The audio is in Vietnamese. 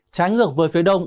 trái ngược với phía đông